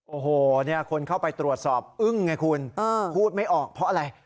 โอ้โหคนเข้าไปตรวจสอบอึ้งไงคุณพูดไม่ออกเพราะอะไร